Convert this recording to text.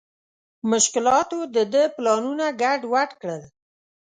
مشکلاتو د ده پلانونه ګډ وډ کړل.